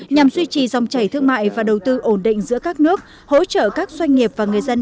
nhằm duy trì dòng chảy thương mại và đầu tư ổn định giữa các nước hỗ trợ các doanh nghiệp và người dân